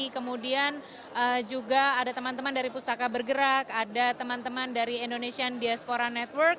kemudian juga ada teman teman dari pustaka bergerak ada teman teman dari indonesian diaspora network